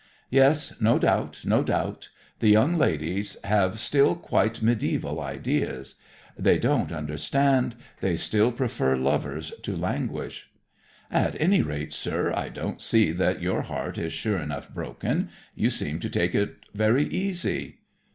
"Yes; no doubt, no doubt. The young ladies have still quite medieval ideas. They don't understand. They still prefer lovers to languish." "At any rate, sir, I don't see that your heart is sure enough broken. You seem to take it very easy."